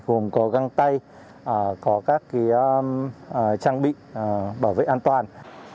gồm có găng tay có các trang bị bảo vệ an toàn